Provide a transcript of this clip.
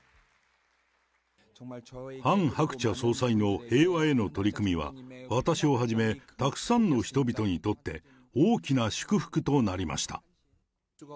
ハン・ハクチャ総裁の平和への取り組みは、私をはじめたくさんの人々にとって大きな祝福となりました。